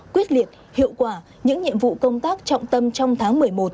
quyết liệt hiệu quả những nhiệm vụ công tác trọng tâm trong tháng một mươi một